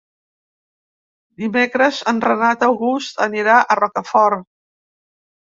Dimecres en Renat August anirà a Rocafort.